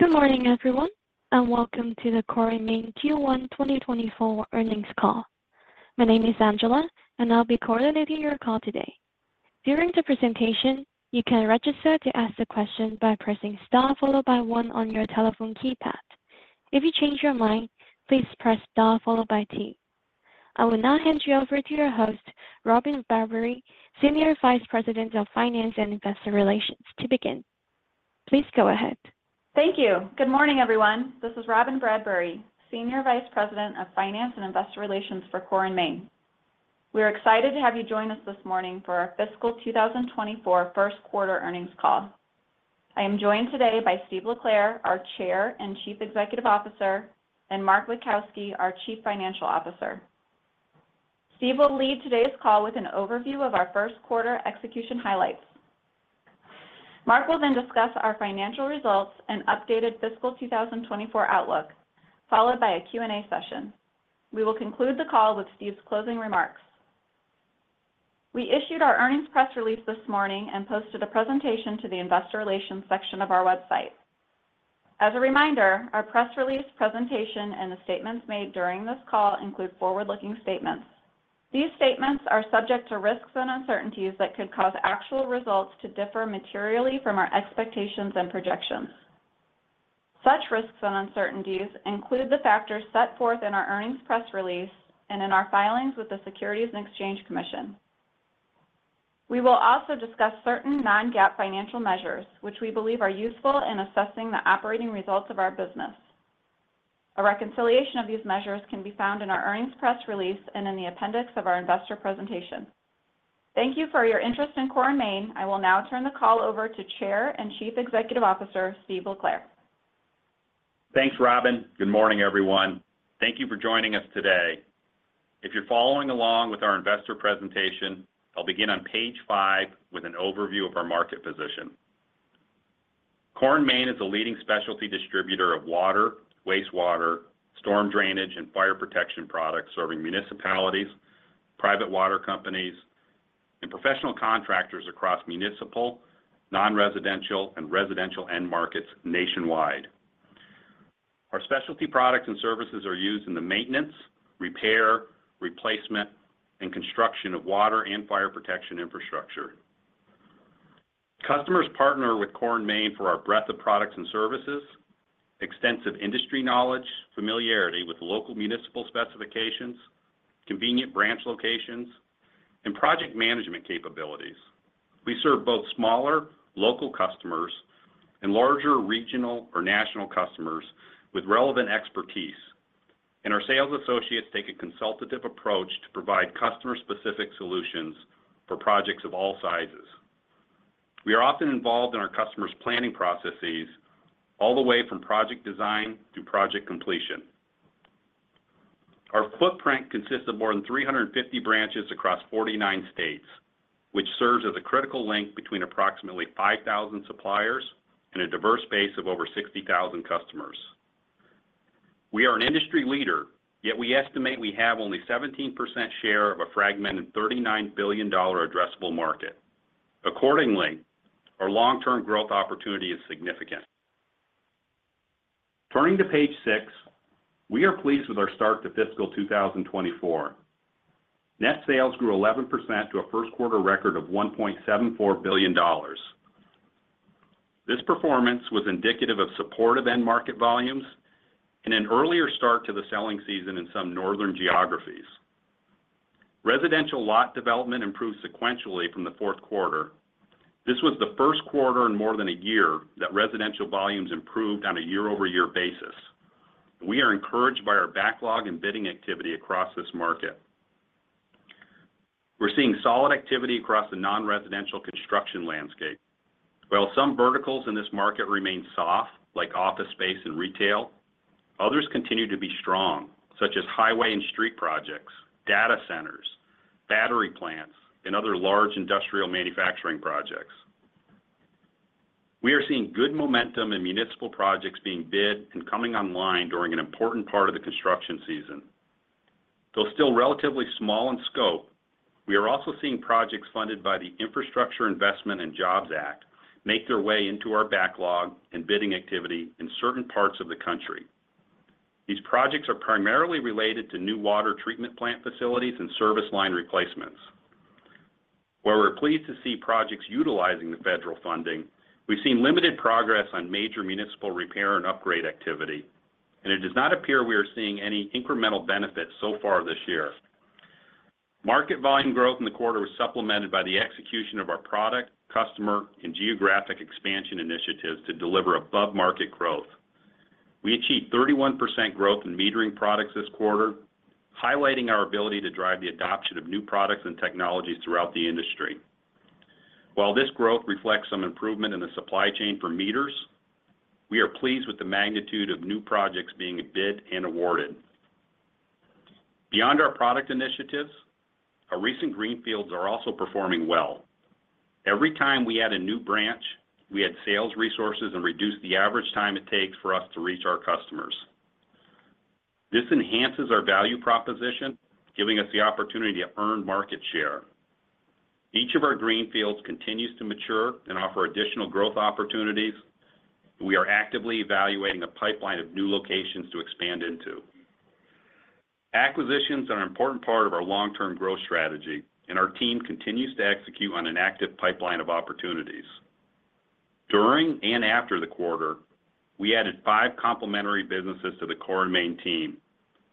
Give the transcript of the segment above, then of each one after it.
Good morning, everyone, and welcome to the Core & Main Q1 2024 earnings call. My name is Angela, and I'll be coordinating your call today. During the presentation, you can register to ask the question by pressing star followed by one on your telephone keypad. If you change your mind, please press star followed by two. I will now hand you over to your host, Robyn Bradbury, Senior Vice President of Finance and Investor Relations, to begin. Please go ahead. Thank you. Good morning, everyone. This is Robyn Bradbury, Senior Vice President of Finance and Investor Relations for Core & Main. We are excited to have you join us this morning for our fiscal 2024 first quarter earnings call. I am joined today by Steve LeClair, our Chair and Chief Executive Officer, and Mark Witkowski, our Chief Financial Officer. Steve will lead today's call with an overview of our first quarter execution highlights. Mark will then discuss our financial results and updated fiscal 2024 outlook, followed by a Q&A session. We will conclude the call with Steve's closing remarks. We issued our earnings press release this morning and posted a presentation to the investor relations section of our website. As a reminder, our press release presentation and the statements made during this call include forward-looking statements. These statements are subject to risks and uncertainties that could cause actual results to differ materially from our expectations and projections. Such risks and uncertainties include the factors set forth in our earnings press release and in our filings with the Securities and Exchange Commission. We will also discuss certain non-GAAP financial measures, which we believe are useful in assessing the operating results of our business. A reconciliation of these measures can be found in our earnings press release and in the appendix of our investor presentation. Thank you for your interest in Core & Main. I will now turn the call over to Chair and Chief Executive Officer, Steve LeClair. Thanks, Robin. Good morning, everyone. Thank you for joining us today. If you're following along with our investor presentation, I'll begin on page five with an overview of our market position. Core & Main is a leading specialty distributor of water, wastewater, storm drainage, and fire protection products, serving municipalities, private water companies, and professional contractors across municipal, non-residential, and residential end markets nationwide. Our specialty products and services are used in the maintenance, repair, replacement, and construction of water and fire protection infrastructure. Customers partner with Core & Main for our breadth of products and services, extensive industry knowledge, familiarity with local municipal specifications, convenient branch locations, and project management capabilities. We serve both smaller local customers and larger regional or national customers with relevant expertise, and our sales associates take a consultative approach to provide customer-specific solutions for projects of all sizes. We are often involved in our customers' planning processes all the way from project design to project completion. Our footprint consists of more than 350 branches across 49 states, which serves as a critical link between approximately 5,000 suppliers and a diverse base of over 60,000 customers. We are an industry leader, yet we estimate we have only 17% share of a fragmented $39 billion addressable market. Accordingly, our long-term growth opportunity is significant. Turning to page six, we are pleased with our start to fiscal 2024. Net sales grew 11% to a first quarter record of $1.74 billion. This performance was indicative of supportive end market volumes and an earlier start to the selling season in some northern geographies. Residential lot development improved sequentially from the fourth quarter. This was the first quarter in more than a year that residential volumes improved on a year-over-year basis. We are encouraged by our backlog and bidding activity across this market. We're seeing solid activity across the non-residential construction landscape. While some verticals in this market remain soft, like office space and retail, others continue to be strong, such as highway and street projects, data centers, battery plants, and other large industrial manufacturing projects. We are seeing good momentum in municipal projects being bid and coming online during an important part of the construction season. Though still relatively small in scope, we are also seeing projects funded by the Infrastructure Investment and Jobs Act make their way into our backlog and bidding activity in certain parts of the country. These projects are primarily related to new water treatment plant facilities and service line replacements. We're pleased to see projects utilizing the federal funding, we've seen limited progress on major municipal repair and upgrade activity, and it does not appear we are seeing any incremental benefit so far this year. Market volume growth in the quarter was supplemented by the execution of our product, customer, and geographic expansion initiatives to deliver above-market growth. We achieved 31% growth in metering products this quarter, highlighting our ability to drive the adoption of new products and technologies throughout the industry. While this growth reflects some improvement in the supply chain for meters, we are pleased with the magnitude of new projects being bid and awarded. Beyond our product initiatives, our recent greenfields are also performing well. Every time we add a new branch, we add sales resources and reduce the average time it takes for us to reach our customers.... This enhances our value proposition, giving us the opportunity to earn market share. Each of our Greenfields continues to mature and offer additional growth opportunities. We are actively evaluating a pipeline of new locations to expand into. Acquisitions are an important part of our long-term growth strategy, and our team continues to execute on an active pipeline of opportunities. During and after the quarter, we added 5 complementary businesses to the Core & Main team,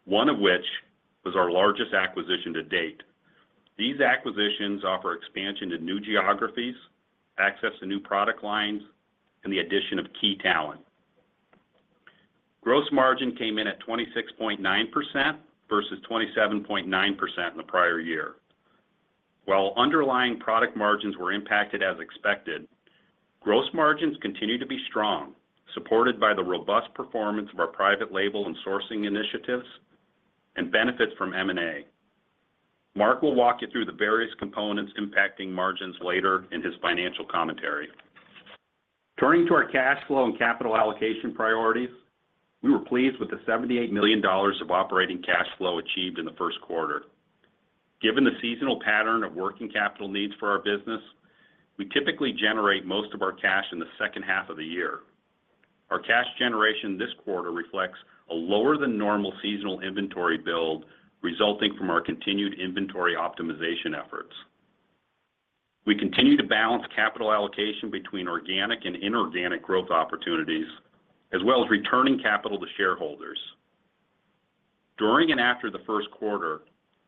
one of which was our largest acquisition to date. These acquisitions offer expansion to new geographies, access to new product lines, and the addition of key talent. Gross margin came in at 26.9% versus 27.9% in the prior year. While underlying product margins were impacted as expected, gross margins continued to be strong, supported by the robust performance of our Private label and sourcing initiatives and benefits from M&A. Mark will walk you through the various components impacting margins later in his financial commentary. Turning to our cash flow and capital allocation priorities, we were pleased with the $78 million of operating cash flow achieved in the first quarter. Given the seasonal pattern of working capital needs for our business, we typically generate most of our cash in the second half of the year. Our cash generation this quarter reflects a lower than normal seasonal inventory build, resulting from our continued inventory optimization efforts. We continue to balance capital allocation between organic and inorganic growth opportunities, as well as returning capital to shareholders. During and after the first quarter,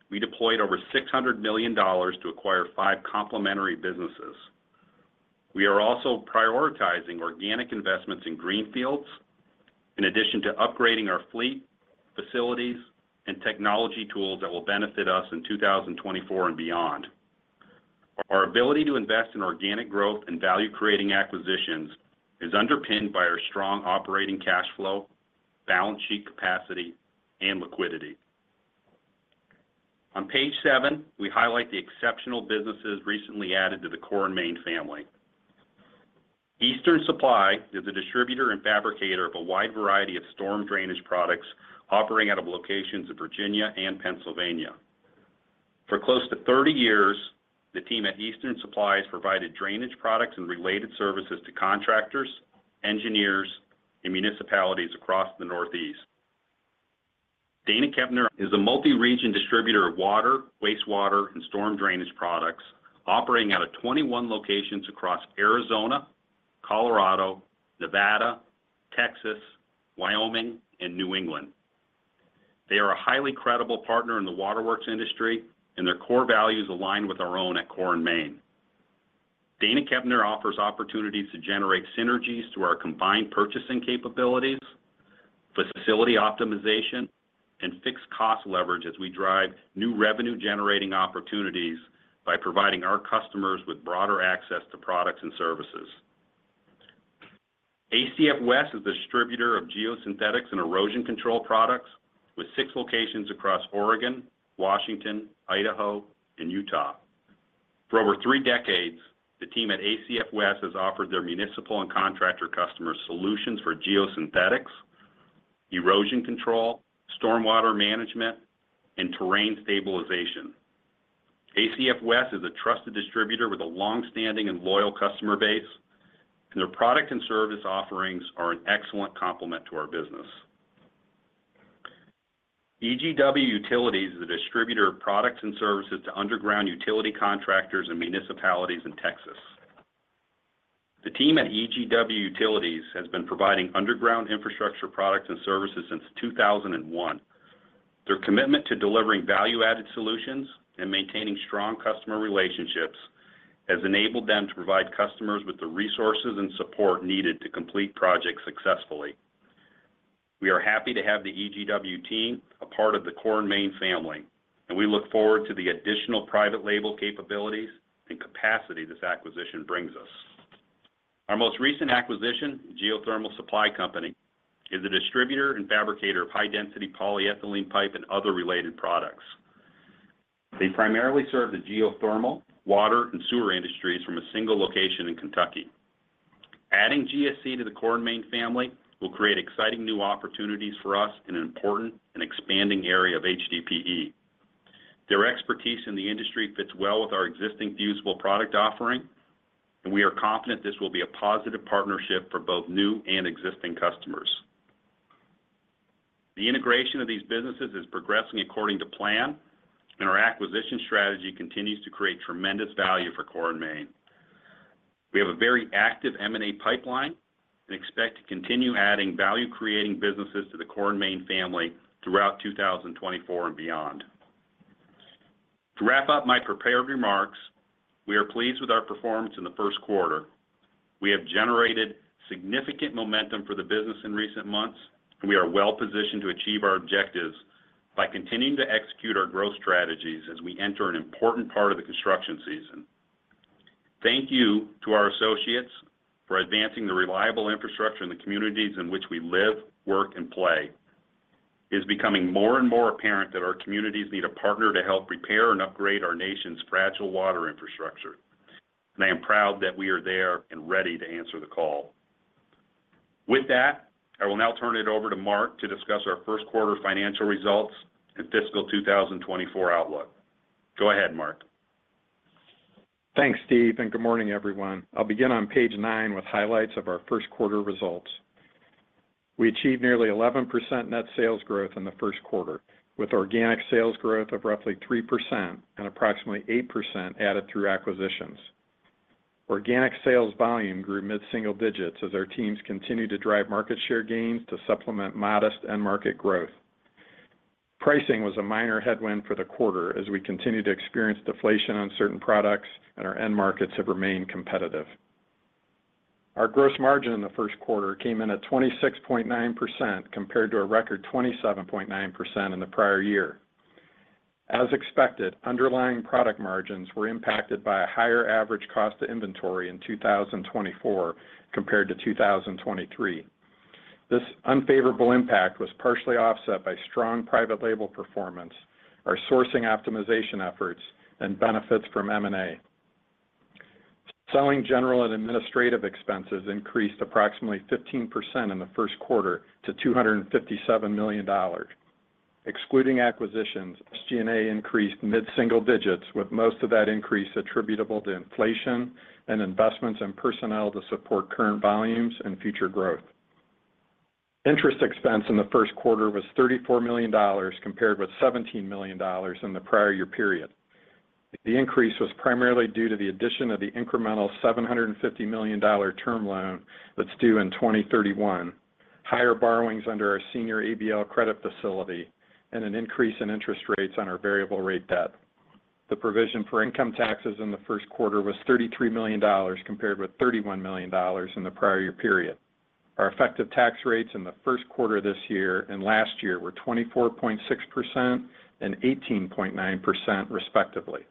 we deployed over $600 million to acquire 5 complementary businesses. We are also prioritizing organic investments in Greenfields, in addition to upgrading our fleet, facilities, and technology tools that will benefit us in 2024 and beyond. Our ability to invest in organic growth and value-creating acquisitions is underpinned by our strong operating cash flow, balance sheet capacity, and liquidity. On page 7, we highlight the exceptional businesses recently added to the Core & Main family. Eastern Supply is a distributor and fabricator of a wide variety of storm drainage products, operating out of locations in Virginia and Pennsylvania. For close to 30 years, the team at Eastern Supply has provided drainage products and related services to contractors, engineers, and municipalities across the Northeast. Dana Kepner is a multi-region distributor of water, wastewater, and storm drainage products, operating out of 21 locations across Arizona, Colorado, Nevada, Texas, Wyoming, and New England. They are a highly credible partner in the waterworks industry, and their core values align with our own at Core & Main. Dana Kepner offers opportunities to generate synergies through our combined purchasing capabilities, facility optimization, and fixed cost leverage as we drive new revenue-generating opportunities by providing our customers with broader access to products and services. ACF West is a distributor of geosynthetics and erosion control products with six locations across Oregon, Washington, Idaho, and Utah. For over three decades, the team at ACF West has offered their municipal and contractor customers solutions for geosynthetics, erosion control, stormwater management, and terrain stabilization. ACF West is a trusted distributor with a long-standing and loyal customer base, and their product and service offerings are an excellent complement to our business. EGW Utilities is a distributor of products and services to underground utility contractors and municipalities in Texas. The team at EGW Utilities has been providing underground infrastructure products and services since 2001. Their commitment to delivering value-added solutions and maintaining strong customer relationships has enabled them to provide customers with the resources and support needed to complete projects successfully. We are happy to have the EGW team as a part of the Core & Main family, and we look forward to the additional private label capabilities and capacity this acquisition brings us. Our most recent acquisition, Geothermal Supply Company, is a distributor and fabricator of high-density polyethylene pipe and other related products. They primarily serve the geothermal, water, and sewer industries from a single location in Kentucky. Adding GSC to the Core & Main family will create exciting new opportunities for us in an important and expanding area of HDPE. Their expertise in the industry fits well with our existing fusible product offering, and we are confident this will be a positive partnership for both new and existing customers. The integration of these businesses is progressing according to plan, and our acquisition strategy continues to create tremendous value for Core & Main. We have a very active M&A pipeline and expect to continue adding value-creating businesses to the Core & Main family throughout 2024 and beyond. To wrap up my prepared remarks, we are pleased with our performance in the first quarter. We have generated significant momentum for the business in recent months, and we are well positioned to achieve our objectives by continuing to execute our growth strategies as we enter an important part of the construction season. Thank you to our associates for advancing the reliable infrastructure in the communities in which we live, work, and play. It is becoming more and more apparent that our communities need a partner to help repair and upgrade our nation's fragile water infrastructure. I am proud that we are there and ready to answer the call. With that, I will now turn it over to Mark to discuss our first quarter financial results and fiscal 2024 outlook. Go ahead, Mark. Thanks, Steve, and good morning, everyone. I'll begin on page 9 with highlights of our first quarter results. We achieved nearly 11% net sales growth in the first quarter, with organic sales growth of roughly 3% and approximately 8% added through acquisitions. Organic sales volume grew mid-single digits as our teams continued to drive market share gains to supplement modest end market growth. Pricing was a minor headwind for the quarter as we continued to experience deflation on certain products, and our end markets have remained competitive. Our gross margin in the first quarter came in at 26.9%, compared to a record 27.9% in the prior year. As expected, underlying product margins were impacted by a higher average cost of inventory in 2024 compared to 2023. This unfavorable impact was partially offset by strong private label performance, our sourcing optimization efforts, and benefits from M&A. Selling, general, and administrative expenses increased approximately 15% in the first quarter to $257 million. Excluding acquisitions, SG&A increased mid-single digits, with most of that increase attributable to inflation and investments in personnel to support current volumes and future growth. Interest expense in the first quarter was $34 million, compared with $17 million in the prior year period. The increase was primarily due to the addition of the incremental $750 million term loan that's due in 2031, higher borrowings under our senior ABL credit facility, and an increase in interest rates on our variable rate debt. The provision for income taxes in the first quarter was $33 million, compared with $31 million in the prior year period. Our effective tax rates in the first quarter this year and last year were 24.6% and 18.9%, respectively.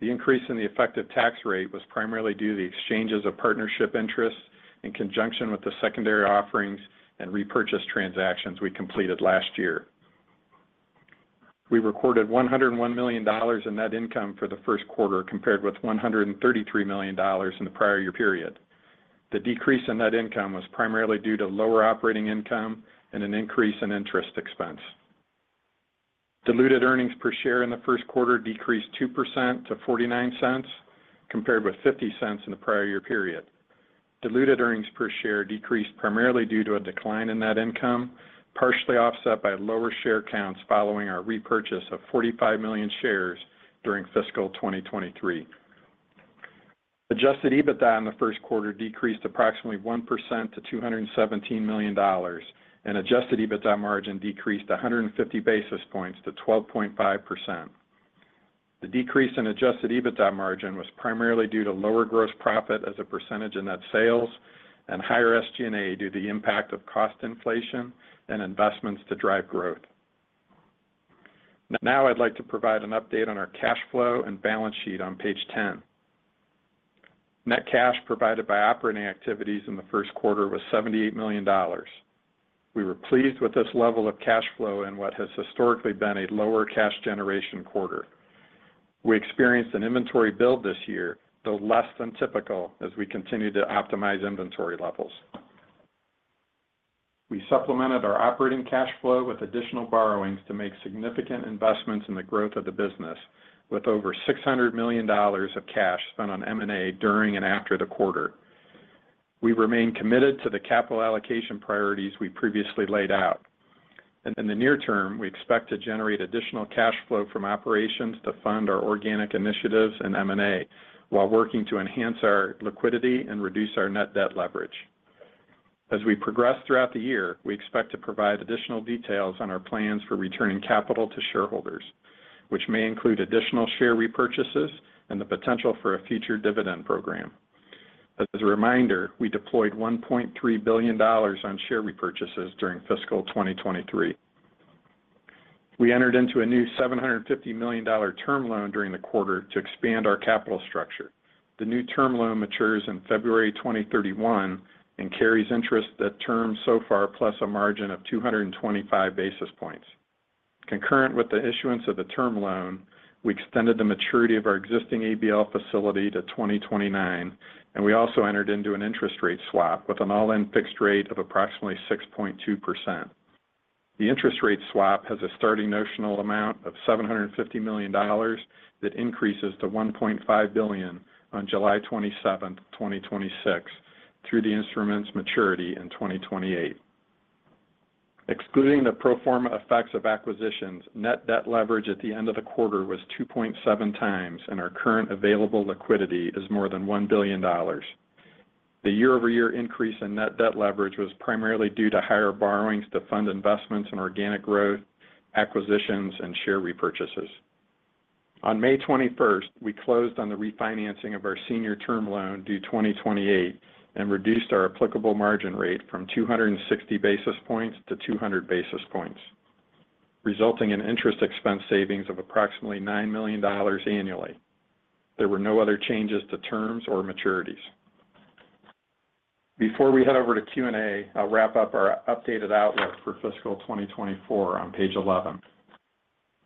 The increase in the effective tax rate was primarily due to the exchanges of partnership interests in conjunction with the secondary offerings and repurchase transactions we completed last year. We recorded $101 million in net income for the first quarter, compared with $133 million in the prior year period. The decrease in net income was primarily due to lower operating income and an increase in interest expense. Diluted earnings per share in the first quarter decreased 2% to $0.49, compared with $0.50 in the prior year period. Diluted earnings per share decreased primarily due to a decline in net income, partially offset by lower share counts following our repurchase of 45 million shares during fiscal 2023. Adjusted EBITDA in the first quarter decreased approximately 1% to $217 million, and adjusted EBITDA margin decreased 150 basis points to 12.5%. The decrease in adjusted EBITDA margin was primarily due to lower gross profit as a percentage of net sales and higher SG&A due to the impact of cost inflation and investments to drive growth. Now I'd like to provide an update on our cash flow and balance sheet on page 10. Net cash provided by operating activities in the first quarter was $78 million. We were pleased with this level of cash flow in what has historically been a lower cash generation quarter. We experienced an inventory build this year, though less than typical, as we continue to optimize inventory levels. We supplemented our operating cash flow with additional borrowings to make significant investments in the growth of the business, with over $600 million of cash spent on M&A during and after the quarter. We remain committed to the capital allocation priorities we previously laid out. In the near term, we expect to generate additional cash flow from operations to fund our organic initiatives and M&A, while working to enhance our liquidity and reduce our net debt leverage. As we progress throughout the year, we expect to provide additional details on our plans for returning capital to shareholders, which may include additional share repurchases and the potential for a future dividend program. As a reminder, we deployed $1.3 billion on share repurchases during fiscal 2023. We entered into a new $750 million term loan during the quarter to expand our capital structure. The new term loan matures in February 2031 and carries interest at Term SOFR, plus a margin of 225 basis points. Concurrent with the issuance of the term loan, we extended the maturity of our existing ABL facility to 2029, and we also entered into an interest rate swap with an all-in fixed rate of approximately 6.2%. The interest rate swap has a starting notional amount of $750 million that increases to $1.5 billion on July 27, 2026, through the instrument's maturity in 2028. Excluding the pro forma effects of acquisitions, net debt leverage at the end of the quarter was 2.7 times, and our current available liquidity is more than $1 billion. The year-over-year increase in net debt leverage was primarily due to higher borrowings to fund investments in organic growth, acquisitions, and share repurchases. On May 21, we closed on the refinancing of our senior term loan, due 2028, and reduced our applicable margin rate from 260 basis points to 200 basis points, resulting in interest expense savings of approximately $9 million annually. There were no other changes to terms or maturities. Before we head over to Q&A, I'll wrap up our updated outlook for fiscal 2024 on page 11.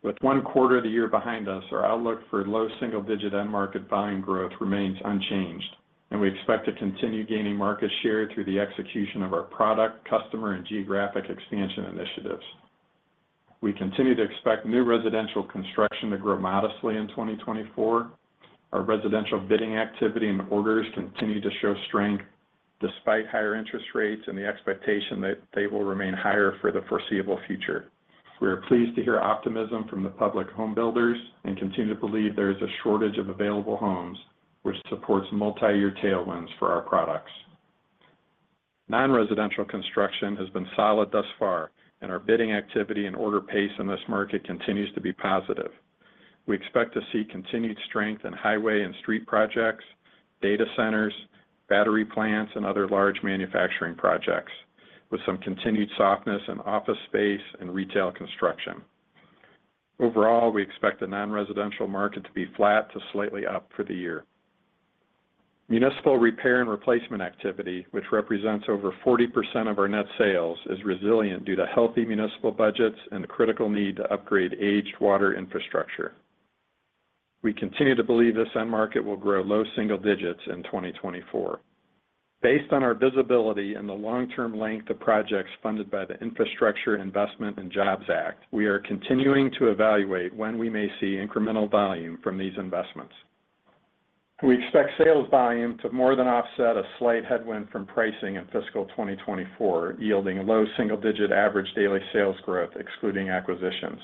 With one quarter of the year behind us, our outlook for low single-digit end market volume growth remains unchanged, and we expect to continue gaining market share through the execution of our product, customer, and geographic expansion initiatives. We continue to expect new residential construction to grow modestly in 2024. Our residential bidding activity and orders continue to show strength, despite higher interest rates and the expectation that they will remain higher for the foreseeable future. We are pleased to hear optimism from the public home builders and continue to believe there is a shortage of available homes, which supports multiyear tailwinds for our products. Non-residential construction has been solid thus far, and our bidding activity and order pace in this market continues to be positive. We expect to see continued strength in highway and street projects, data centers, battery plants, and other large manufacturing projects, with some continued softness in office space and retail construction. Overall, we expect the non-residential market to be flat to slightly up for the year. Municipal repair and replacement activity, which represents over 40% of our net sales, is resilient due to healthy municipal budgets and the critical need to upgrade aged water infrastructure. We continue to believe this end market will grow low single digits in 2024. Based on our visibility and the long-term length of projects funded by the Infrastructure Investment and Jobs Act, we are continuing to evaluate when we may see incremental volume from these investments. We expect sales volume to more than offset a slight headwind from pricing in fiscal 2024, yielding low single-digit average daily sales growth, excluding acquisitions.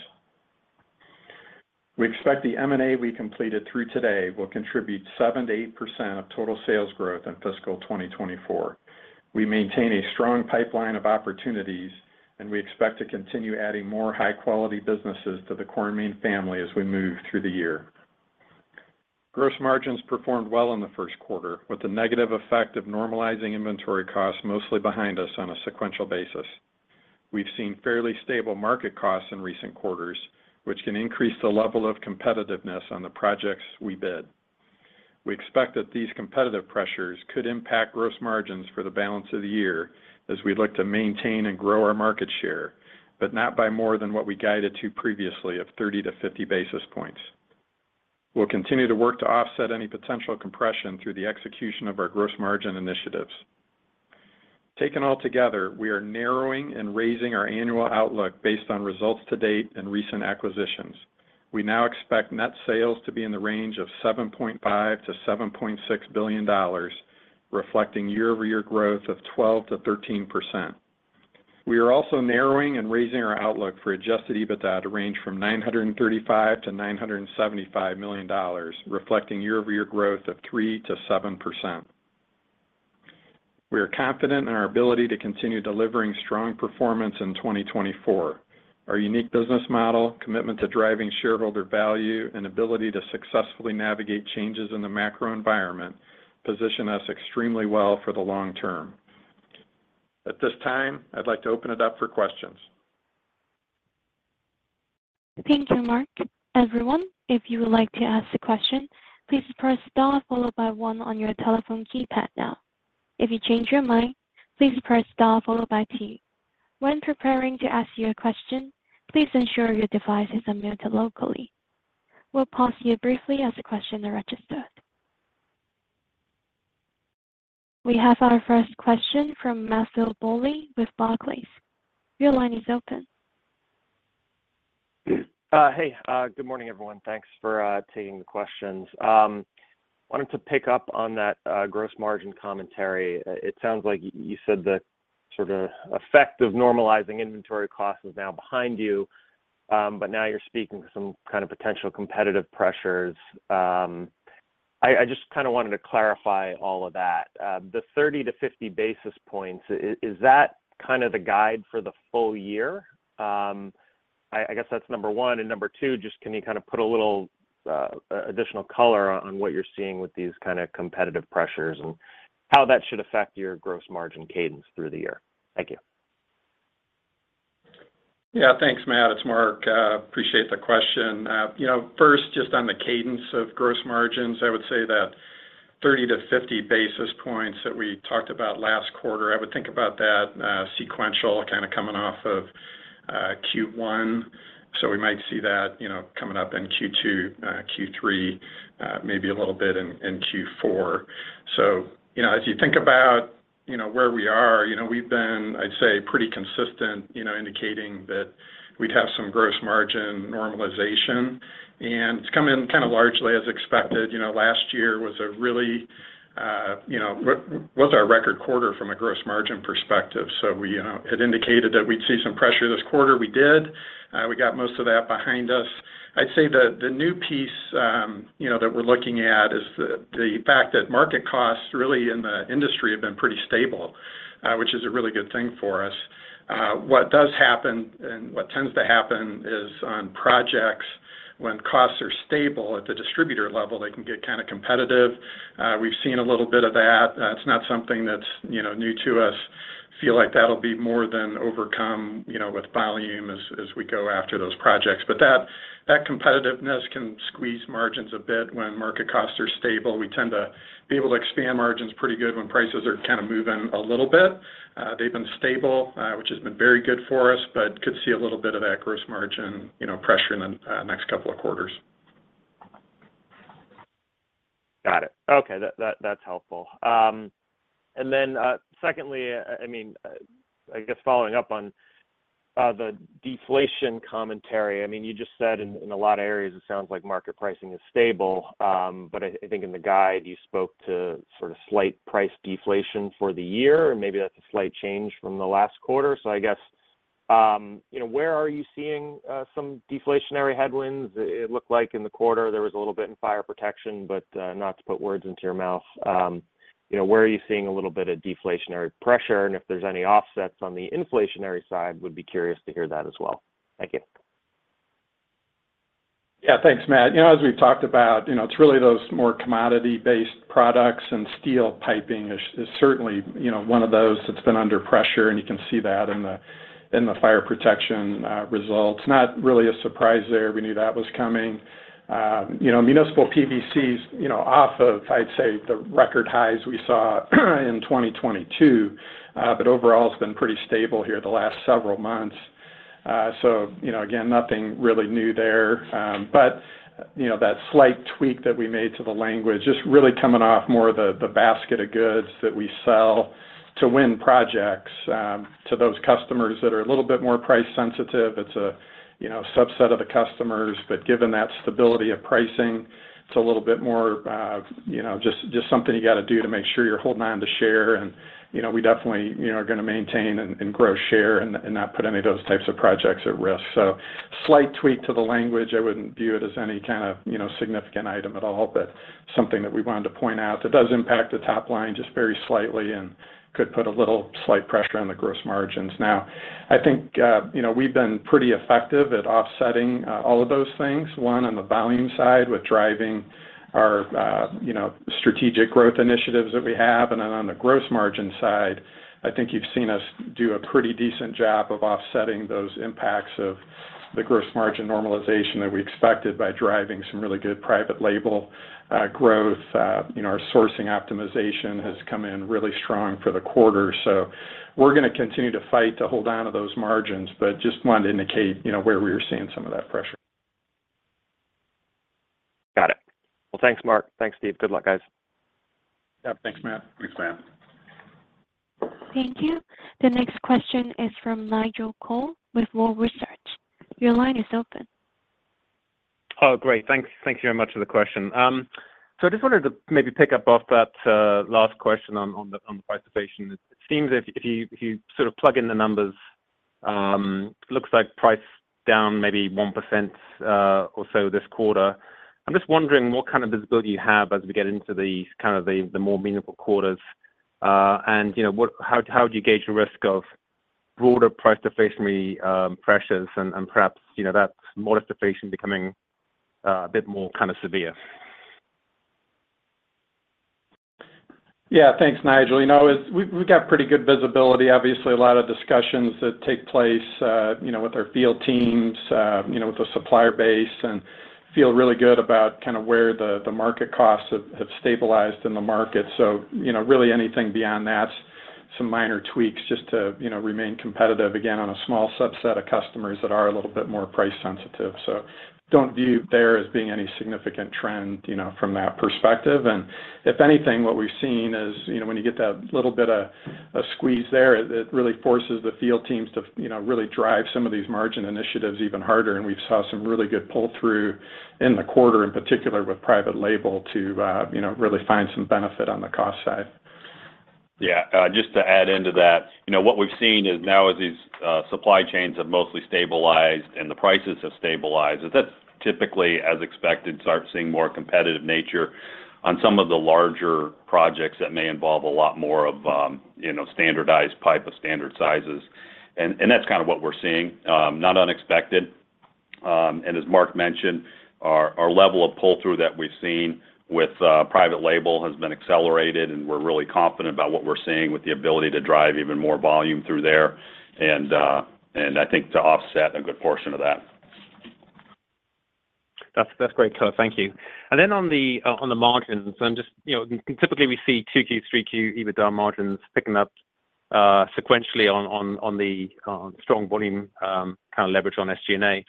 We expect the M&A we completed through today will contribute 7%-8% of total sales growth in fiscal 2024. We maintain a strong pipeline of opportunities, and we expect to continue adding more high-quality businesses to the Core & Main family as we move through the year. Gross margins performed well in the first quarter, with the negative effect of normalizing inventory costs mostly behind us on a sequential basis. We've seen fairly stable market costs in recent quarters, which can increase the level of competitiveness on the projects we bid. We expect that these competitive pressures could impact gross margins for the balance of the year as we look to maintain and grow our market share, but not by more than what we guided to previously of 30-50 basis points. We'll continue to work to offset any potential compression through the execution of our gross margin initiatives. Taken altogether, we are narrowing and raising our annual outlook based on results to date and recent acquisitions. We now expect net sales to be in the range of $7.5 billion-$7.6 billion, reflecting year-over-year growth of 12%-13%. We are also narrowing and raising our outlook for Adjusted EBITDA to range from $935 million-$975 million, reflecting year-over-year growth of 3%-7%. We are confident in our ability to continue delivering strong performance in 2024. Our unique business model, commitment to driving shareholder value, and ability to successfully navigate changes in the macro environment position us extremely well for the long term. At this time, I'd like to open it up for questions. Thank you, Mark. Everyone, if you would like to ask a question, please press star followed by one on your telephone keypad now. If you change your mind, please press star followed by two. When preparing to ask your question, please ensure your device is unmuted locally. We'll pause here briefly as the questions are registered. We have our first question from Matthew Bouley with Barclays. Your line is open. Hey, good morning, everyone. Thanks for taking the questions. Wanted to pick up on that gross margin commentary. It sounds like you said the sort of effect of normalizing inventory cost is now behind you, but now you're speaking to some kind of potential competitive pressures. I just kind of wanted to clarify all of that. The 30-50 basis points, is that kind of the guide for the full year? I guess that's number one, and number two, just can you kind of put a little additional color on what you're seeing with these kind of competitive pressures and how that should affect your gross margin cadence through the year? Thank you. Yeah. Thanks, Matt. It's Mark. Appreciate the question. You know, first, just on the cadence of gross margins, I would say that 30-50 basis points that we talked about last quarter, I would think about that sequential, kind of coming off of Q1. So we might see that, you know, coming up in Q2, Q3, maybe a little bit in Q4. So, you know, as you think about, you know, where we are, you know, we've been, I'd say, pretty consistent, you know, indicating that we'd have some gross margin normalization, and it's come in kind of largely as expected. You know, last year was a really, you know, was our record quarter from a gross margin perspective. So we had indicated that we'd see some pressure this quarter. We did. We got most of that behind us. I'd say the new piece, you know, that we're looking at is the fact that market costs really in the industry have been pretty stable, which is a really good thing for us. What does happen and what tends to happen is on projects, when costs are stable at the distributor level, they can get kind of competitive. We've seen a little bit of that. It's not something that's, you know, new to us. Feel like that'll be more than overcome, you know, with volume as we go after those projects. But that competitiveness can squeeze margins a bit when market costs are stable. We tend to be able to expand margins pretty good when prices are kind of moving a little bit. They've been stable, which has been very good for us, but could see a little bit of that gross margin, you know, pressure in the next couple of quarters. Got it. Okay, that's helpful. And then, secondly, I mean, I guess following up on the deflation commentary. I mean, you just said in a lot of areas, it sounds like market pricing is stable, but I think in the guide, you spoke to sort of slight price deflation for the year, and maybe that's a slight change from the last quarter. So I guess, you know, where are you seeing some deflationary headwinds? It looked like in the quarter, there was a little bit in fire protection, but not to put words into your mouth, you know, where are you seeing a little bit of deflationary pressure? And if there's any offsets on the inflationary side, would be curious to hear that as well. Thank you. Yeah, thanks, Matt. You know, as we've talked about, you know, it's really those more commodity-based products, and steel piping is certainly, you know, one of those that's been under pressure, and you can see that in the fire protection results. Not really a surprise there. We knew that was coming. You know, municipal PVCs, you know, off of, I'd say, the record highs we saw in 2022, but overall has been pretty stable here the last several months. So, you know, again, nothing really new there. But, you know, that slight tweak that we made to the language, just really coming off more of the basket of goods that we sell to win projects, to those customers that are a little bit more price sensitive. It's a, you know, subset of the customers, but given that stability of pricing, it's a little bit more, you know, just, just something you got to do to make sure you're holding on to share. And, you know, we definitely, you know, are gonna maintain and, and grow share and, and not put any of those types of projects at risk. So slight tweak to the language. I wouldn't view it as any kind of, you know, significant item at all, but something that we wanted to point out, that does impact the top line just very slightly and could put a little slight pressure on the gross margins. Now, I think, you know, we've been pretty effective at offsetting, all of those things, one, on the volume side, with driving our, you know, strategic growth initiatives that we have. And then on the gross margin side, I think you've seen us do a pretty decent job of offsetting those impacts of the gross margin normalization that we expected by driving some really good private label growth. You know, our sourcing optimization has come in really strong for the quarter. So we're gonna continue to fight to hold on to those margins, but just wanted to indicate, you know, where we are seeing some of that pressure. Got it. Well, thanks, Mark. Thanks, Steve. Good luck, guys. Yeah, thanks, Matt. Thanks, Matt. Thank you. The next question is from Nigel Coe with Wolfe Research. Your line is open. Oh, great. Thanks. Thank you very much for the question. So I just wanted to maybe pick up off that last question on the price inflation. It seems if, if you, if you sort of plug in the numbers, looks like price down maybe 1% or so this quarter. I'm just wondering what kind of visibility you have as we get into the kind of the more meaningful quarters. And, you know, what—how would you gauge the risk of broader price deflationary pressures and perhaps, you know, that modest deflation becoming a bit more kind of severe? Yeah. Thanks, Nigel. You know, we've got pretty good visibility. Obviously, a lot of discussions that take place, you know, with our field teams, you know, with the supplier base, and feel really good about kind of where the market costs have stabilized in the market. So, you know, really anything beyond that, some minor tweaks just to, you know, remain competitive, again, on a small subset of customers that are a little bit more price sensitive. So don't view there as being any significant trend, you know, from that perspective. And if anything, what we've seen is, you know, when you get that little bit of squeeze there, it really forces the field teams to, you know, really drive some of these margin initiatives even harder. We saw some really good pull-through in the quarter, in particular, with private label to, you know, really find some benefit on the cost side. Yeah, just to add into that, you know, what we've seen is now as these supply chains have mostly stabilized and the prices have stabilized, is that typically, as expected, start seeing more competitive nature on some of the larger projects that may involve a lot more of, you know, standardized pipe of standard sizes. And that's kind of what we're seeing, not unexpected. And as Mark mentioned, our level of pull-through that we've seen with private label has been accelerated, and we're really confident about what we're seeing with the ability to drive even more volume through there, and I think to offset a good portion of that. That's, that's great, Cole. Thank you. And then on the margins, I'm just... You know, typically, we see 2Q, 3Q EBITDA margins picking up sequentially on the strong volume, kind of leverage on SG&A.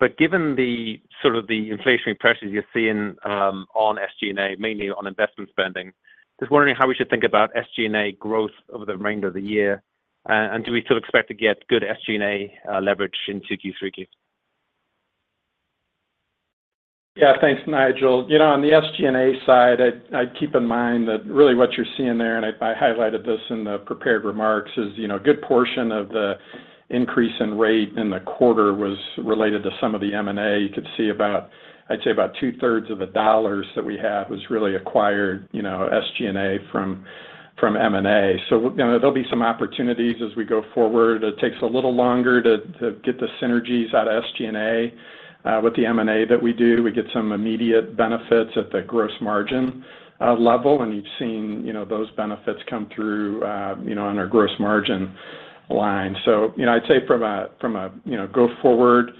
But given the sort of the inflationary pressures you're seeing on SG&A, mainly on investment spending, just wondering how we should think about SG&A growth over the remainder of the year, and do we still expect to get good SG&A leverage in 2Q, 3Q? Yeah. Thanks, Nigel. You know, on the SG&A side, I'd keep in mind that really what you're seeing there, and I highlighted this in the prepared remarks, is, you know, a good portion of the increase in rate in the quarter was related to some of the M&A. You could see about, I'd say, about two-thirds of the dollars that we have was really acquired, you know, SG&A from M&A. So, you know, there'll be some opportunities as we go forward. It takes a little longer to get the synergies out of SG&A with the M&A that we do, we get some immediate benefits at the gross margin level, and you've seen, you know, those benefits come through, you know, on our gross margin line. So, you know, I'd say from a going forward,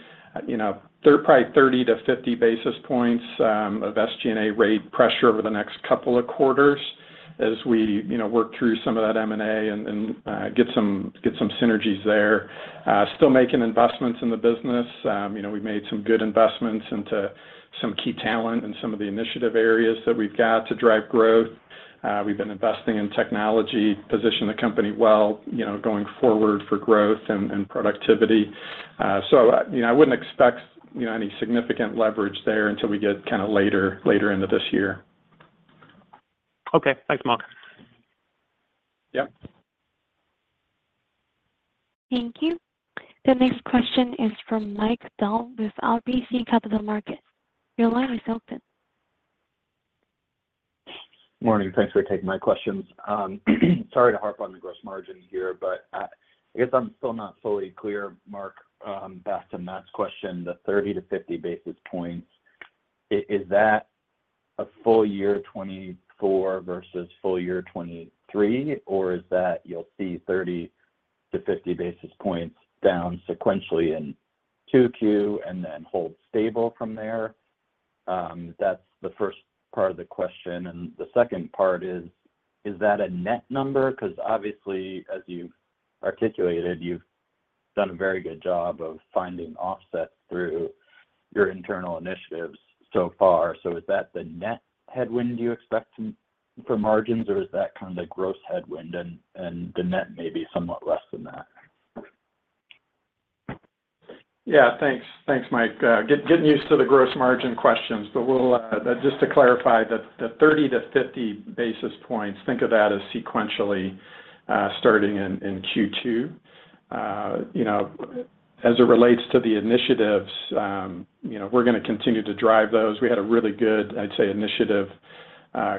you know, they're probably 30-50 basis points of SG&A rate pressure over the next couple of quarters as we, you know, work through some of that M&A and get some synergies there. Still making investments in the business. You know, we've made some good investments into some key talent and some of the initiative areas that we've got to drive growth. We've been investing in technology, position the company well, you know, going forward for growth and productivity. So, you know, I wouldn't expect, you know, any significant leverage there until we get kind of later into this year. Okay. Thanks, Mark. Yep. Thank you. The next question is from Mike Dahl with RBC Capital Markets. Your line is open. Morning. Thanks for taking my questions. Sorry to harp on the gross margin here, but, I guess I'm still not fully clear, Mark, back to Matt's question, the 30-50 basis points. Is that a full year 2024 versus full year 2023, or is that you'll see 30-50 basis points down sequentially in 2Q and then hold stable from there? That's the first part of the question, and the second part is: Is that a net number? Because, obviously, as you've articulated, you've done a very good job of finding offset through your internal initiatives so far. So is that the net headwind you expect from margins, or is that kind of the gross headwind and, and the net may be somewhat less than that? Yeah. Thanks. Thanks, Mike. Getting used to the gross margin questions, but we'll... Just to clarify, the thirty to fifty basis points, think of that as sequentially, starting in Q2. You know, as it relates to the initiatives, you know, we're gonna continue to drive those. We had a really good, I'd say, initiative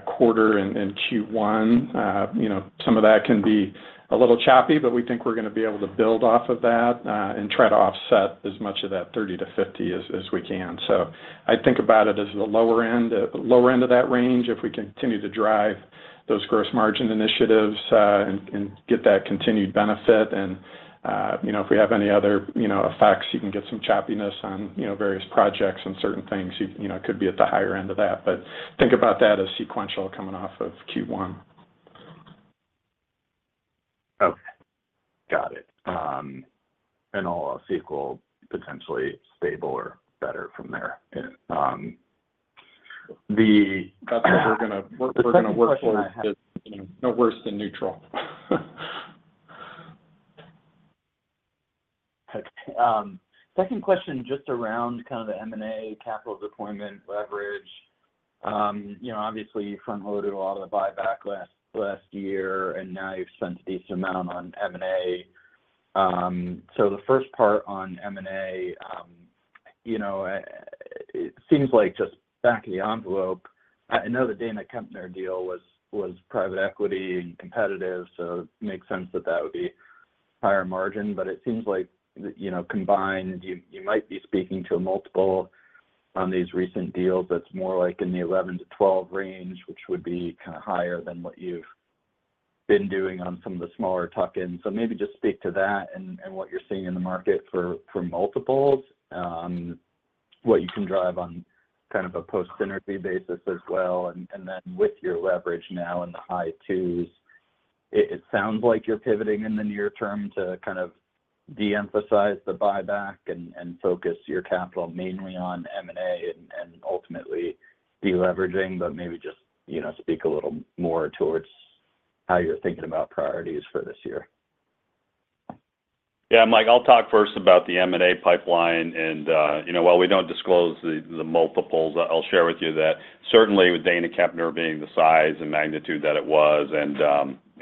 quarter in Q1. You know, some of that can be a little choppy, but we think we're gonna be able to build off of that, and try to offset as much of that 30-50 as we can. So I think about it as the lower end of that range if we continue to drive those gross margin initiatives, and get that continued benefit. And you know, if we have any other, you know, effects, you can get some choppiness on, you know, various projects and certain things. You know, it could be at the higher end of that, but think about that as sequential coming off of Q1. Okay. Got it. And all else equal, potentially stable or better from there. Yeah. That's what we're gonna- The second question I have- We're gonna work towards, you know, no worse than neutral. Okay. Second question, just around kind of the M&A capital deployment leverage. You know, obviously, you front-loaded a lot of the buyback last, last year, and now you've spent a decent amount on M&A. So the first part on M&A, you know, it seems like just back of the envelope, I know the Dana Kepner deal was, was private equity and competitive, so it makes sense that that would be higher margin. But it seems like, you know, combined, you, you might be speaking to a multiple on these recent deals that's more like in the 11-12 range, which would be kind of higher than what you've been doing on some of the smaller tuck-ins. So maybe just speak to that and what you're seeing in the market for multiples, what you can drive on kind of a post-synergy basis as well. And then with your leverage now in the high twos, it sounds like you're pivoting in the near term to kind of deemphasize the buyback and focus your capital mainly on M&A and ultimately deleveraging. But maybe just, you know, speak a little more towards how you're thinking about priorities for this year. Yeah, Mike, I'll talk first about the M&A pipeline, and, you know, while we don't disclose the multiples, I'll share with you that certainly with Dana Kepner being the size and magnitude that it was, and,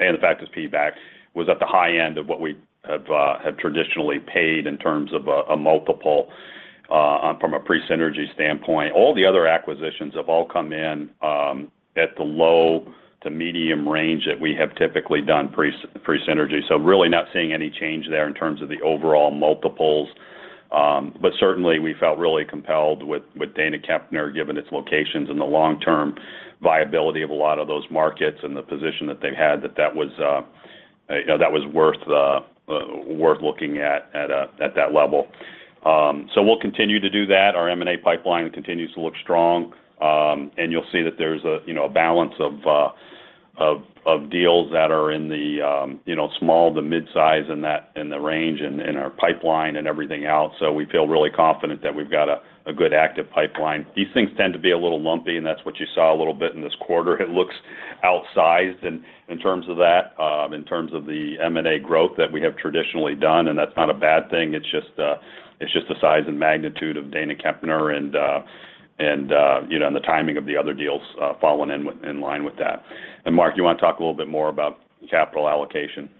and the fact is feedback, was at the high end of what we have have traditionally paid in terms of a multiple, from a pre-synergy standpoint. All the other acquisitions have all come in, at the low to medium range that we have typically done pre-synergy. So really not seeing any change there in terms of the overall multiples. But certainly, we felt really compelled with Dana Kepner, given its locations and the long-term viability of a lot of those markets and the position that they've had, that that was, you know, that was worth looking at, at that level. So we'll continue to do that. Our M&A pipeline continues to look strong, and you'll see that there's a, you know, a balance of deals that are in the, you know, small to mid-size in that range in our pipeline and everything else. So we feel really confident that we've got a good active pipeline. These things tend to be a little lumpy, and that's what you saw a little bit in this quarter. It looks outsized in terms of that, in terms of the M&A growth that we have traditionally done, and that's not a bad thing. It's just, it's just the size and magnitude of Dana Kepner and, you know, and the timing of the other deals, falling in line with that. And Mark, you want to talk a little bit more about capital allocation?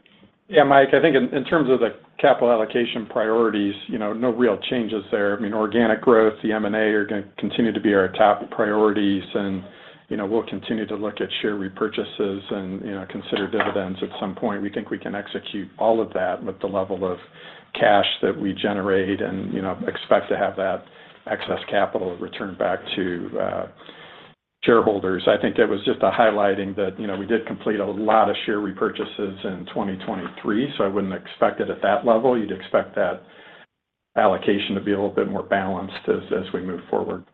Yeah, Mike. I think in terms of the capital allocation priorities, you know, no real changes there. I mean, organic growth, the M&A are gonna continue to be our top priorities, and, you know, we'll continue to look at share repurchases and, you know, consider dividends at some point. We think we can execute all of that with the level of cash that we generate and, you know, expect to have that excess capital returned back to shareholders. I think it was just a highlighting that, you know, we did complete a lot of share repurchases in 2023, so I wouldn't expect it at that level. You'd expect that allocation to be a little bit more balanced as we move forward.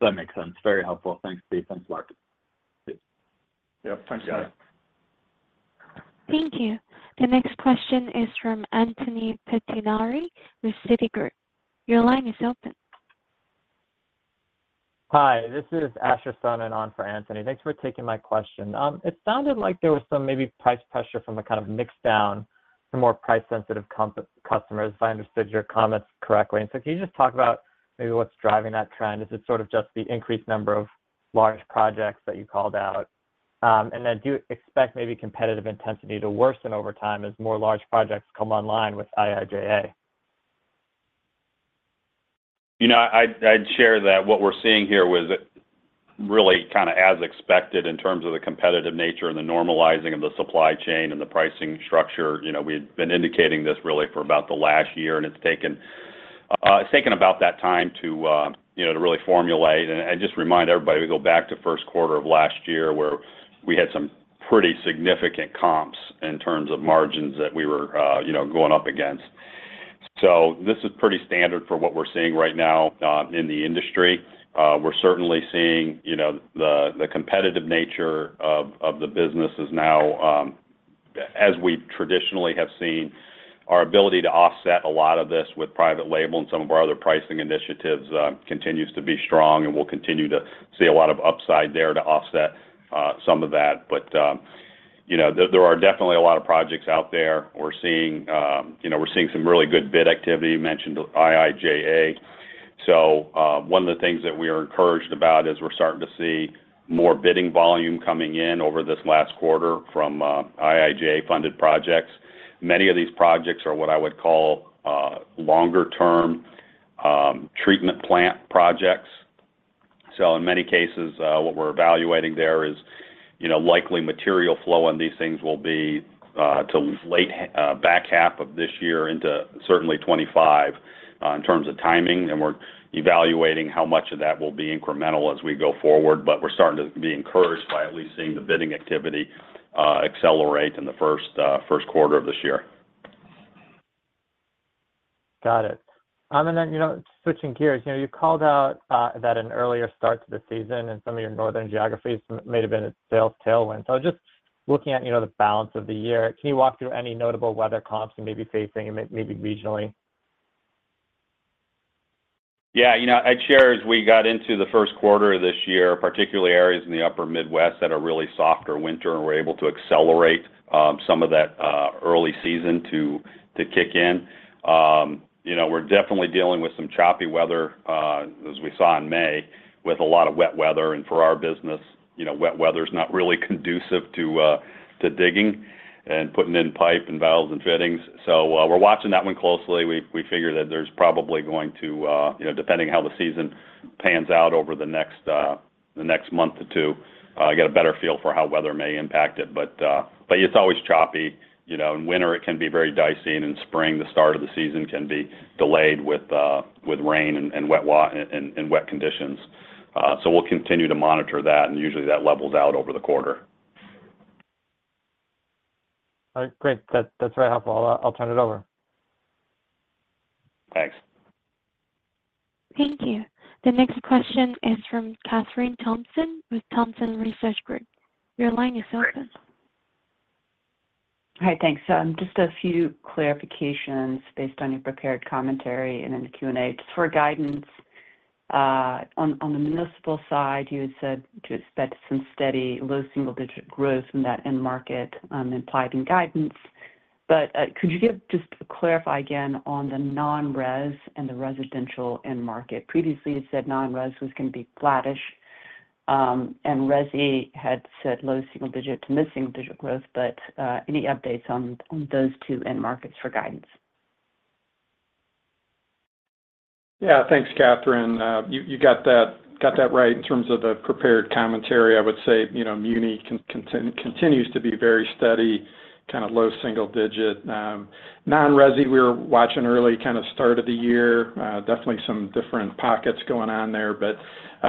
That makes sense. Very helpful. Thanks, Steve. Thanks, Mark. Yeah, thanks, guys. Thank you. The next question is from Anthony Pettinari with Citigroup. Your line is open. Hi, this is Asher Sohnen on for Anthony. Thanks for taking my question. It sounded like there was some maybe price pressure from a kind of mix down to more price-sensitive customers, if I understood your comments correctly. So can you just talk about maybe what's driving that trend? Is it sort of just the increased number of large projects that you called out? And then do you expect maybe competitive intensity to worsen over time as more large projects come online with IIJA? You know, I'd share that what we're seeing here was really kind of as expected in terms of the competitive nature and the normalizing of the supply chain and the pricing structure. You know, we've been indicating this really for about the last year, and it's taken, it's about that time to, you know, to really formulate. And just remind everybody, we go back to first quarter of last year, where we had some pretty significant comps in terms of margins that we were, you know, going up against. So this is pretty standard for what we're seeing right now in the industry. We're certainly seeing, you know, the competitive nature of the business is now, as we traditionally have seen. Our ability to offset a lot of this with private label and some of our other pricing initiatives continues to be strong, and we'll continue to see a lot of upside there to offset some of that. But you know, there, there are definitely a lot of projects out there. We're seeing you know, we're seeing some really good bid activity. You mentioned IIJA. So one of the things that we are encouraged about is we're starting to see more bidding volume coming in over this last quarter from IIJA-funded projects. Many of these projects are what I would call longer-term treatment plant projects. So in many cases, what we're evaluating there is, you know, likely material flow on these things will be to late back half of this year into certainly 2025, in terms of timing, and we're evaluating how much of that will be incremental as we go forward. But we're starting to be encouraged by at least seeing the bidding activity accelerate in the first quarter of this year. Got it. And then, you know, switching gears, you know, you called out that an earlier start to the season in some of your northern geographies may have been a sales tailwind. So just looking at, you know, the balance of the year, can you walk through any notable weather comps you may be facing, maybe regionally? Yeah, you know, I'd share, as we got into the first quarter of this year, particularly areas in the Upper Midwest that are really softer winter, and we're able to accelerate some of that early season to kick in. You know, we're definitely dealing with some choppy weather, as we saw in May, with a lot of wet weather. And for our business, you know, wet weather is not really conducive to digging and putting in pipe and valves and fittings. So, we're watching that one closely. We figure that there's probably going to, you know, depending on how the season pans out over the next month or two, get a better feel for how weather may impact it. But it's always choppy. You know, in winter, it can be very dicey, and in spring, the start of the season can be delayed with rain and wet conditions. So we'll continue to monitor that, and usually, that levels out over the quarter. All right, great. That's very helpful. I'll turn it over. Thanks. Thank you. The next question is from Kathryn Thompson with Thompson Research Group. Your line is open. Hi, thanks. So, just a few clarifications based on your prepared commentary and in the Q&A. Just for guidance, on the municipal side, you had said to expect some steady low single-digit growth from that end market, implied in guidance. But, could you give just to clarify again on the non-res and the residential end market? Previously, you said non-res was going to be flattish, and resi had said low single digit to mid-single-digit growth, but, any updates on those two end markets for guidance? Yeah. Thanks, Kathryn. You got that right. In terms of the prepared commentary, I would say, you know, muni continues to be very steady, kind of low single digit. Non-resi, we're watching early kind of start of the year. Definitely some different pockets going on there, but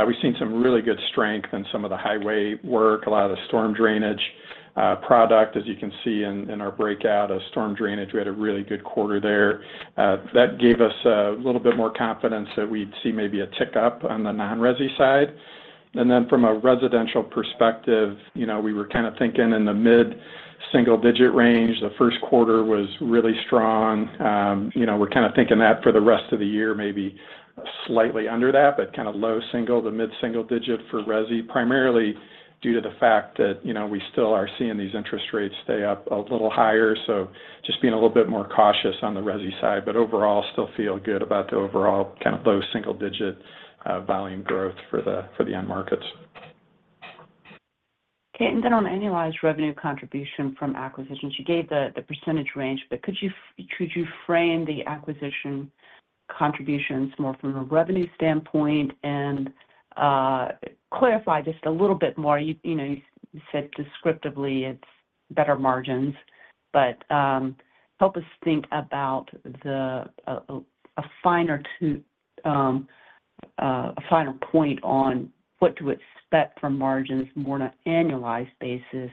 we've seen some really good strength in some of the highway work, a lot of the storm drainage product. As you can see in our breakout of storm drainage, we had a really good quarter there. That gave us a little bit more confidence that we'd see maybe a tick-up on the non-resi side. And then from a residential perspective, you know, we were kind of thinking in the mid-single-digit range. The first quarter was really strong. You know, we're kind of thinking that for the rest of the year, maybe slightly under that, but kind of low single to mid-single digit for resi, primarily due to the fact that, you know, we still are seeing these interest rates stay up a little higher. So just being a little bit more cautious on the resi side, but overall, still feel good about the overall kind of low single digit volume growth for the end markets. Okay. And then on annualized revenue contribution from acquisitions, you gave the percentage range, but could you frame the acquisition contributions more from a revenue standpoint and clarify just a little bit more. You know, you said descriptively it's better margins, but help us think about a finer tune, a finer point on what to expect from margins more on an annualized basis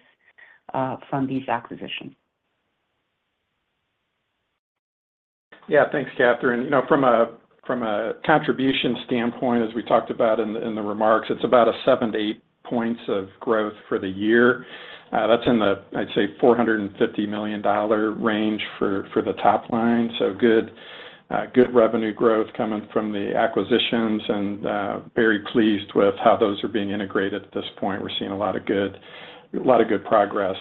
from these acquisitions. Yeah. Thanks, Kathryn. You know, from a contribution standpoint, as we talked about in the remarks, it's about 7-8 points of growth for the year. That's in the, I'd say, $450 million range for the top line, so good revenue growth coming from the acquisitions, and very pleased with how those are being integrated at this point. We're seeing a lot of good progress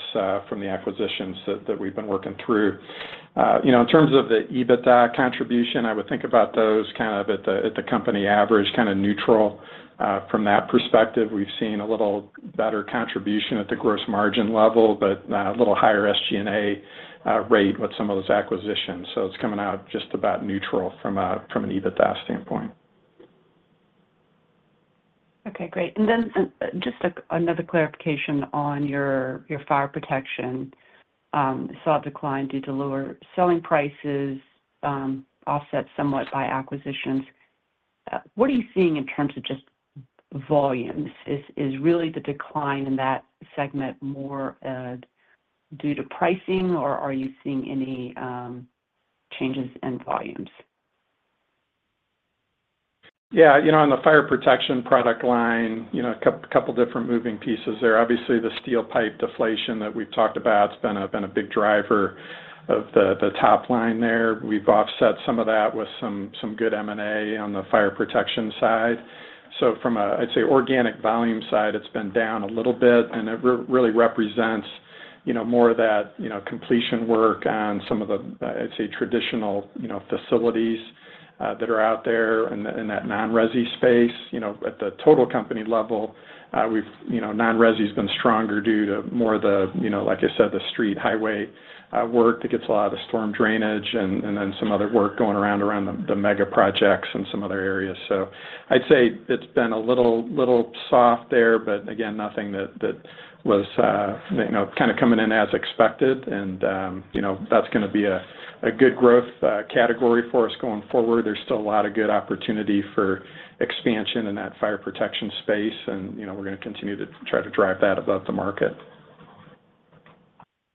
from the acquisitions that we've been working through. You know, in terms of the EBITDA contribution, I would think about those kind of at the company average, kind of neutral. From that perspective, we've seen a little better contribution at the gross margin level, but a little higher SG&A rate with some of those acquisitions. So it's coming out just about neutral from an EBITDA standpoint. Okay, great. And then, just like another clarification on your fire protection. Saw a decline due to lower selling prices, offset somewhat by acquisitions. What are you seeing in terms of just volumes? Is really the decline in that segment more due to pricing, or are you seeing any changes in volumes? Yeah, you know, on the fire protection product line, you know, a couple different moving pieces there. Obviously, the steel pipe deflation that we've talked about has been a big driver of the top line there. We've offset some of that with some good M&A on the fire protection side. So from a, I'd say, organic volume side, it's been down a little bit, and it really represents, you know, more of that, you know, completion work on some of the, I'd say, traditional, you know, facilities that are out there in that non-resi space. You know, at the total company level, we've, you know, non-resi's been stronger due to more of the, you know, like I said, the street highway work that gets a lot of the storm drainage and then some other work going around the mega projects and some other areas. So I'd say it's been a little soft there, but again, nothing that was, you know, kind of coming in as expected. And, you know, that's gonna be a good growth category for us going forward. There's still a lot of good opportunity for expansion in that fire protection space, and, you know, we're gonna continue to try to drive that above the market.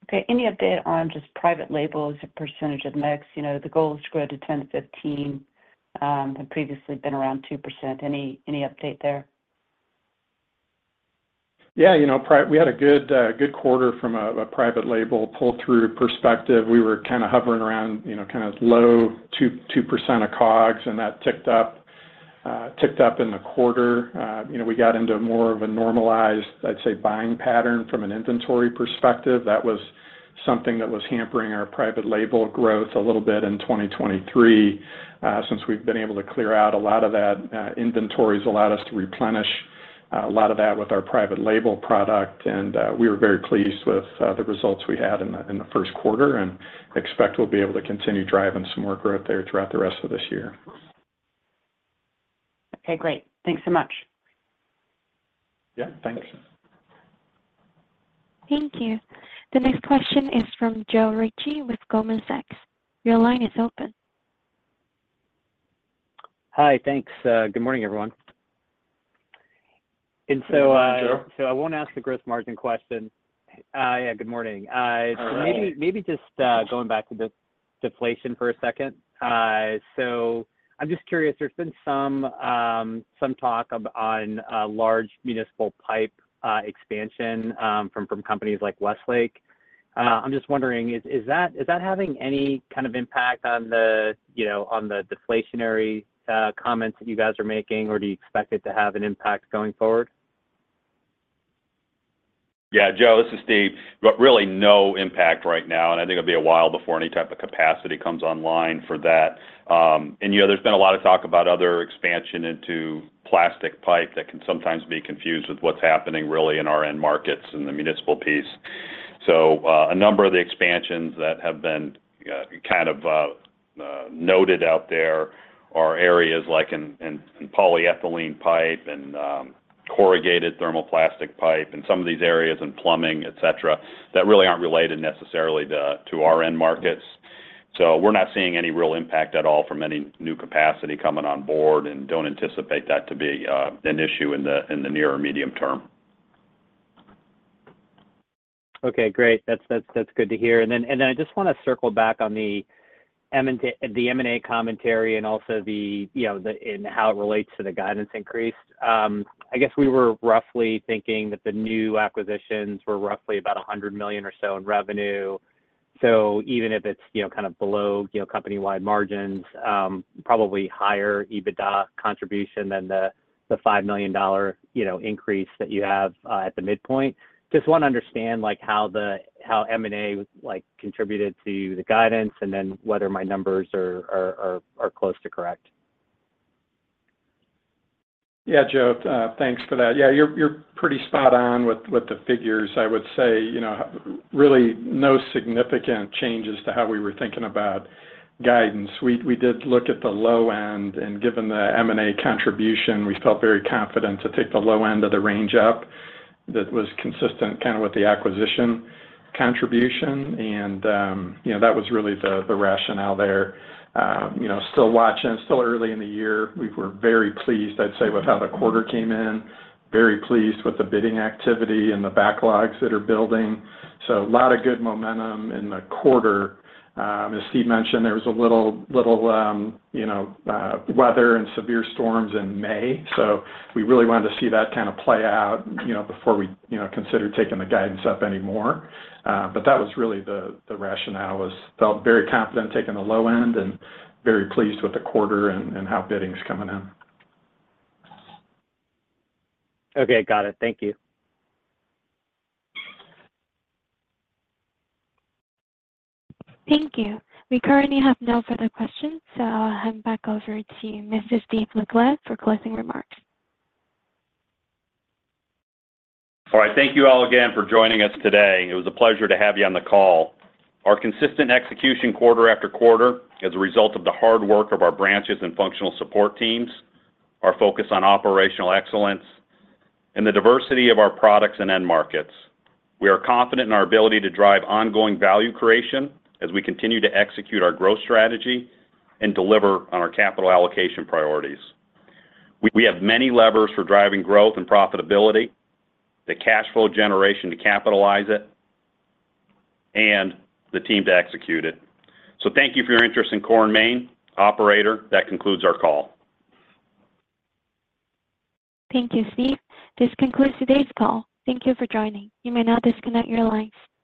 Okay. Any update on just private labels, percentage of mix? You know, the goal is to grow to 10%-15%, had previously been around 2%. Any update there? Yeah, you know, we had a good, good quarter from a private label pull-through perspective. We were kind of hovering around, you know, kind of low 2, 2% of COGS, and that ticked up, ticked up in the quarter. You know, we got into more of a normalized, I'd say, buying pattern from an inventory perspective. That was something that was hampering our private label growth a little bit in 2023. Since we've been able to clear out a lot of that, inventory's allowed us to replenish, a lot of that with our private label product, and, we were very pleased with, the results we had in the first quarter, and expect we'll be able to continue driving some more growth there throughout the rest of this year. Okay, great. Thanks so much. Yeah, thanks. Thank you. The next question is from Joe Ritchie with Goldman Sachs. Your line is open. Hi, thanks. Good morning, everyone. Good morning, Joe. So I won't ask the gross margin question. Yeah, good morning. Hi. So maybe just going back to the deflation for a second. So I'm just curious, there's been some talk on large municipal pipe expansion from companies like Westlake. I'm just wondering, is that having any kind of impact on the, you know, on the deflationary comments that you guys are making, or do you expect it to have an impact going forward? Yeah, Joe, this is Steve. Really no impact right now, and I think it'll be a while before any type of capacity comes online for that. And, you know, there's been a lot of talk about other expansion into plastic pipe that can sometimes be confused with what's happening really in our end markets in the municipal piece. So, a number of the expansions that have been noted out there are areas like polyethylene pipe and corrugated thermoplastic pipe, and some of these areas in plumbing, et cetera, that really aren't related necessarily to our end markets. So we're not seeing any real impact at all from any new capacity coming on board and don't anticipate that to be an issue in the near or medium term. Okay, great. That's good to hear. And then I just wanna circle back on the M&A, the M&A commentary and also the, you know, and how it relates to the guidance increase. I guess we were roughly thinking that the new acquisitions were roughly about $100 million or so in revenue. So even if it's, you know, kind of below, you know, company-wide margins, probably higher EBITDA contribution than the $5 million, you know, increase that you have at the midpoint. Just want to understand, like, how M&A, like, contributed to the guidance, and then whether my numbers are close to correct. Yeah, Joe, thanks for that. Yeah, you're pretty spot on with the figures. I would say, you know, really no significant changes to how we were thinking about guidance. We did look at the low end, and given the M&A contribution, we felt very confident to take the low end of the range up. That was consistent kind of with the acquisition contribution, and, you know, that was really the rationale there. You know, still watching, still early in the year. We were very pleased, I'd say, with how the quarter came in, very pleased with the bidding activity and the backlogs that are building. So a lot of good momentum in the quarter. As Steve mentioned, there was a little little, you know, weather and severe storms in May, so we really wanted to see that kind of play out, you know, before we, you know, considered taking the guidance up anymore. But that was really the rationale, was felt very confident taking the low end and very pleased with the quarter and how bidding's coming in. Okay. Got it. Thank you. Thank you. We currently have no further questions, so I'll hand it back over to Mr. Steve LeClair for closing remarks. All right. Thank you all again for joining us today. It was a pleasure to have you on the call. Our consistent execution quarter after quarter is a result of the hard work of our branches and functional support teams, our focus on operational excellence, and the diversity of our products and end markets. We are confident in our ability to drive ongoing value creation as we continue to execute our growth strategy and deliver on our capital allocation priorities. We have many levers for driving growth and profitability, the cash flow generation to capitalize it, and the team to execute it. So thank you for your interest in Core & Main. Operator, that concludes our call. Thank you, Steve. This concludes today's call. Thank you for joining. You may now disconnect your lines.